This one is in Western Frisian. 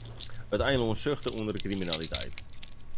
It eilân suchte ûnder de kriminaliteit.